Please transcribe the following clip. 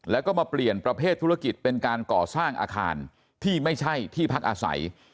แล้วก็มาเปลี่ยนประเภทธุรกิจเป็นการก่อสร้างอาคารที่ไม่ใช่ที่พักอาศัย